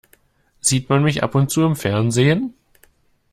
Sieht man mich ab und zu im Fernsehen?